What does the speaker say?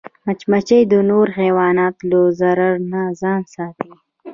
مچمچۍ د نورو حیواناتو له ضرر نه ځان ساتي